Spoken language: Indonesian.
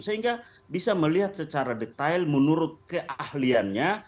sehingga bisa melihat secara detail menurut keahliannya